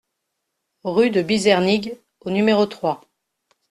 Rue de Bizernig au numéro trois